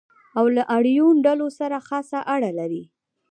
او له آریون ډلو سره خاصه اړه لري.